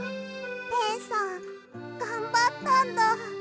ペンさんがんばったんだ。